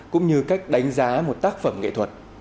cũng như cách đánh giá một tác phẩm nghệ thuật